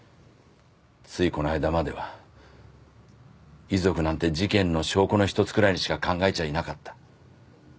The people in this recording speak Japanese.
ついこないだまでは遺族なんて事件の証拠の一つくらいにしか考えちゃいなかった。